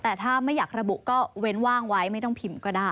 แต่ถ้าไม่อยากระบุก็เว้นว่างไว้ไม่ต้องพิมพ์ก็ได้